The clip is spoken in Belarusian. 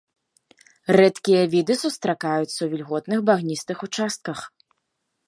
Рэдкія віды сустракаюцца ў вільготных багністых участках.